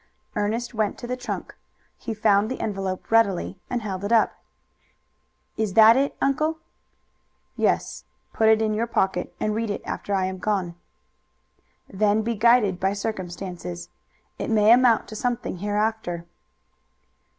Ernest went to the trunk. He found the envelope readily, and held it up. "Is that it, uncle?" "Yes. Put it in your pocket, and read it after I am gone. Then be guided by circumstances. It may amount to something hereafter."